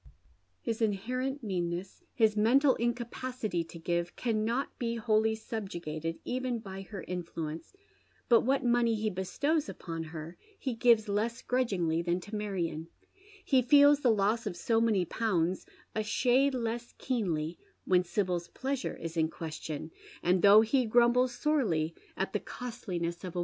His inherent meanneffi, his mental incapacity to give, carmot be wholly sub jugated even by her influence, but what money he bestows upon ber he gives less grudgingly than to Marion. He feels the loss of so many pounds a shade lees keenly when Sibyl's pleasure is in question, and though he grumbles sorely at the costliness of • itom Stephen Trenchard Forjivc 9.